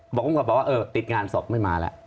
บอกว่าติดงานสอบไม่มาแล้ว